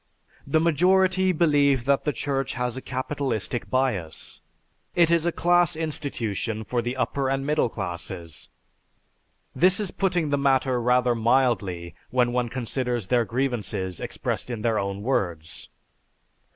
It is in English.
The majority believe that the Church has a capitalistic bias. It is a class institution for the upper and middle classes." This is putting the matter rather mildly when one considers their grievances expressed in their own words.